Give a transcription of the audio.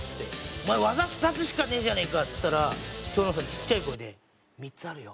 「お前技２つしかねえじゃねえか」って言ったら蝶野さんちっちゃい声で「３つあるよ」。